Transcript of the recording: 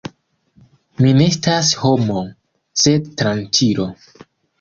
Mi ne estas homo, sed tranĉilo!